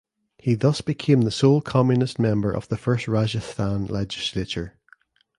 He thus became the sole communist member of the first Rajasthan legislature.